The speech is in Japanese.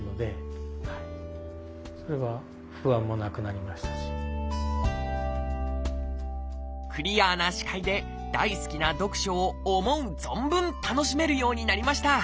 与田さんはクリアな視界で大好きは読書を思う存分楽しめるようになりました。